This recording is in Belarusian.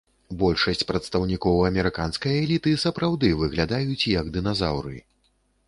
Большасць прадстаўнікоў амерыканскай эліты сапраўды выглядаюць як дыназаўры.